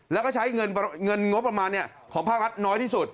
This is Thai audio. แล้วก็ใช้เงินงบประมาณของภาครัฐน้อยที่สุด